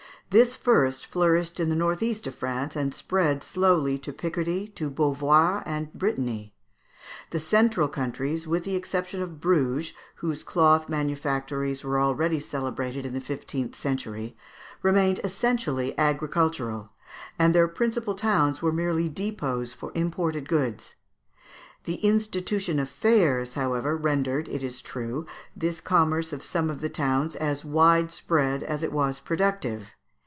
This first flourished in the north east of France, and spread slowly to Picardy, to Beauvois, and Brittany. The central countries, with the exception of Bruges, whose cloth manufactories were already celebrated in the fifteenth century, remained essentially agricultural; and their principal towns were merely depôts for imported goods. The institution of fairs, however, rendered, it is true, this commerce of some of the towns as wide spread as it was productive.